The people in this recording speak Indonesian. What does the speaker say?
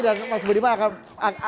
dan mas budiman akan menangkapnya